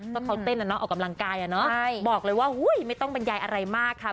ก็เขาเต้นแล้วเนาะออกกำลังกายอ่ะเนอะบอกเลยว่าไม่ต้องบรรยายอะไรมากค่ะ